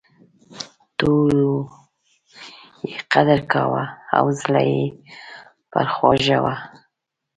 ټولو یې قدر کاوه او زړه یې پر خوږاوه.